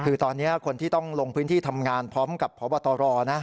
คือตอนนี้คนที่ต้องลงพื้นที่ทำงานพร้อมกับพบตรนะ